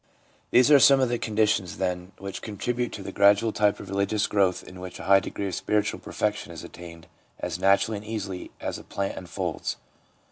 These are some of the conditions, then, which con tribute to the gradual type of religious growth in which a high degree of spiritual perfection is attained as naturally and easily as a plant unfolds.